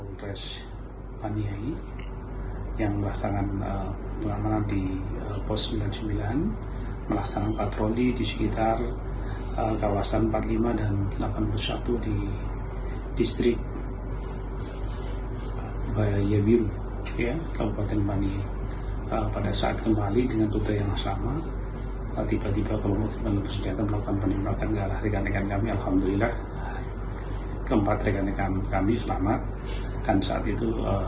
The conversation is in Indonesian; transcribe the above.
pembakaran di distrik baya biru paniai papua pada sabtu sore pekan lalu